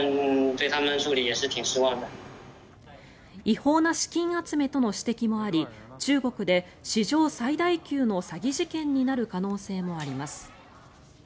違法な資金集めとの指摘もあり中国で史上最大級の詐欺事件になる可能性もあります。